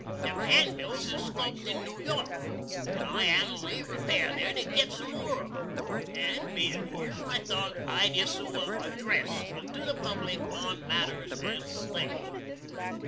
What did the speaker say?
Them hanbills is sculpt in New York. & I annoolly repair here to git some more on 'um; &, bein' here, I tho't I'd issoo a Adress to the public on matters and things.